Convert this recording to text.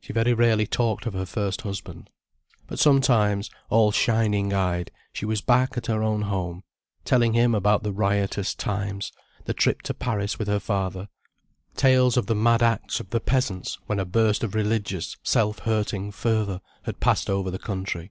She very rarely talked of her first husband. But sometimes, all shining eyed, she was back at her own home, telling him about the riotous times, the trip to Paris with her father, tales of the mad acts of the peasants when a burst of religious, self hurting fervour had passed over the country.